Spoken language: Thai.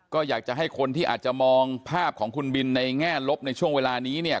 ก็อยากจะให้คนที่อาจจะมองภาพของคุณบินในแง่ลบในช่วงเวลานี้เนี่ย